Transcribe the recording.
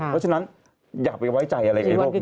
เพราะฉะนั้นอย่าไปไว้ใจอะไรพวกนี้